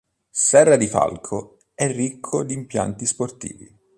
Serradifalco è ricco di impianti sportivi.